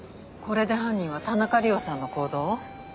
これで犯人は田中理緒さんの行動を？